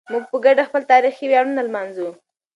موږ په ګډه خپل تاریخي ویاړونه لمانځو.